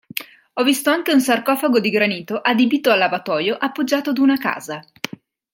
Ho visto anche un sarcofago di granito adibito a lavatoio appoggiato ad una casa.